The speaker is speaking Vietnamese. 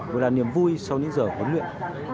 vừa là niềm vui sau những giờ huấn luyện